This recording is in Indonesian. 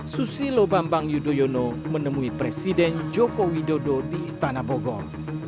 susilo bambang yudhoyono menemui presiden joko widodo di istana bogor